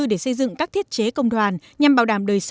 để xây dựng nhà ở